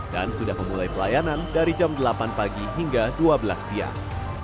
dan sudah memulai pelayanan dari jam delapan pagi hingga dua belas siang